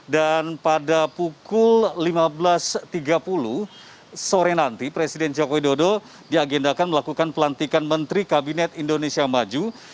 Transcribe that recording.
dan pada pukul lima belas tiga puluh sore nanti presiden joko widodo diagendakan melakukan pelantikan menteri kabinet indonesia maju